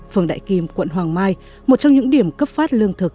phường đại kim quận hoàng mai một trong những điểm cấp phát lương thực